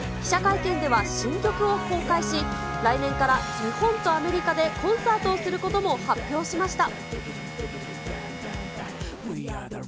記者会見では、新曲を展開し、来年から日本とアメリカでコンサートをすることも発表しました。